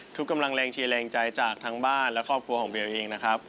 กำลังแรงเชียร์แรงใจจากทั้งบ้านและครอบครัวของเบลเองนะครับ